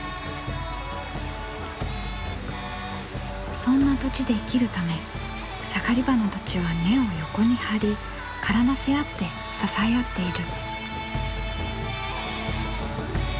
そんな土地で生きるためサガリバナたちは根を横に張り絡ませ合って支え合っている。